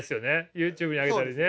ＹｏｕＴｕｂｅに上げたりね。